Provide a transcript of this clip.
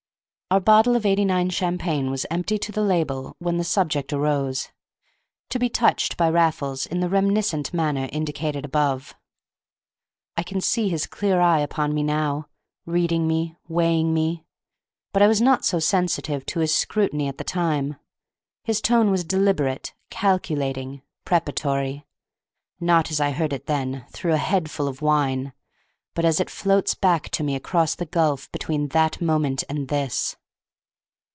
Our bottle of '89 champagne was empty to the label when the subject arose, to be touched by Raffles in the reminiscent manner indicated above. I can see his clear eye upon me now, reading me, weighing me. But I was not so sensitive to his scrutiny at the time. His tone was deliberate, calculating, preparatory; not as I heard it then, through a head full of wine, but as it floats back to me across the gulf between that moment and this.